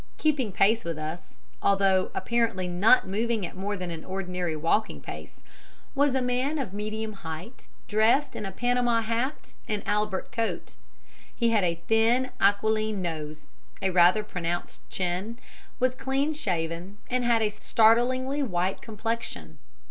Keeping pace with us, although apparently not moving at more than an ordinary walking pace, was a man of medium height, dressed in a panama hat and albert coat. He had a thin, aquiline nose, a rather pronounced chin, was clean shaven, and had a startlingly white complexion.